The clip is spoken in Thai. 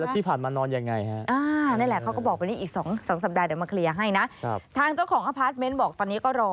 ทางเจ้าของอภาษมนต์บอกตอนนี้ก็รอ